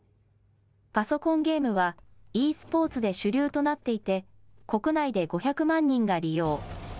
パソコンゲームは、ｅスポーツで主流となっていて、国内で５００万人が利用。